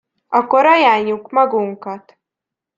Akkor ajánljuk magunkat!